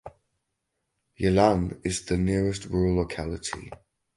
Yelan is the nearest rural locality.